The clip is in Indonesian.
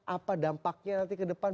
apa dampaknya nanti ke depan